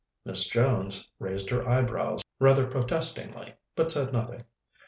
Miss Jones raised her eyebrows rather protestingly, but said nothing.